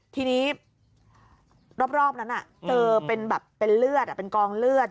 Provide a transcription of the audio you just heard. ทีนี้รอบนั้นเจอเป็นแบบเป็นเลือดเป็นกองเลือด